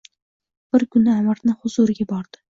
Bir kuni amirni huziriga bordi.